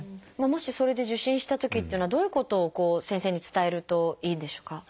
もしそれで受診したときっていうのはどういうことを先生に伝えるといいんでしょうか？